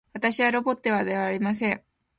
私はロボットではありません